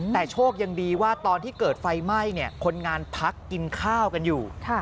แต่โชคยังดีว่าตอนที่เกิดไฟไหม้คนงานพักกินข้าวกันอยู่